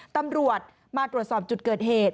ตำรวจมาตรวจสอบจุดเกิดเหตุ